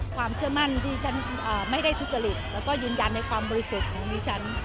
ความเชื่อมั่นที่ฉันไม่ได้ทุจริตแล้วก็ยืนยันในความบริสุทธิ์ของดิฉัน